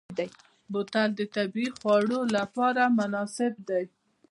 بوتل د طبعي خوړ لپاره مناسب دی.